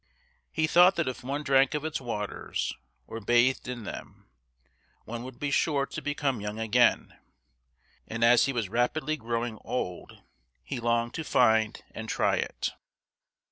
He thought that if one drank of its waters, or bathed in them, one would be sure to become young again, and as he was rapidly growing old he longed to find and try it.